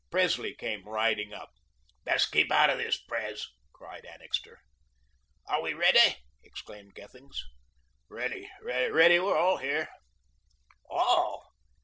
Presley came riding up. "Best keep out of this, Pres," cried Annixter. "Are we ready?" exclaimed Gethings. "Ready, ready, we're all here." "ALL.